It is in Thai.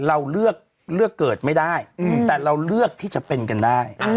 เราเลือกเกิดไม่ได้แต่เราเลือกที่จะเป็นกันได้